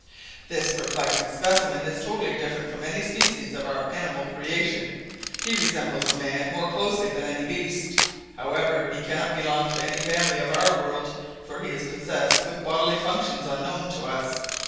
"This perplexing specimen is totally different from any species of our animal creation. He resembles a man more closely than any beast. However, he cannot belong to any family of our world for he is possessed with bodily functions unknown to us.